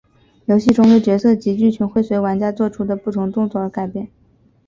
游戏中的角色及剧情会随玩家作出的不同动作而改变。